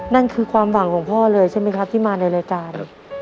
นั่นคือความหวังของพ่อเลยใช่ไหมครับที่มาในรายการ